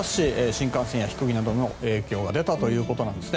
新幹線や飛行機などに影響が出たということです。